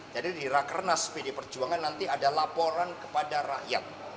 jadi di rakernas bd perjuangan nanti ada laporan kepada rakyat